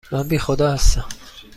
من بی خدا هستم.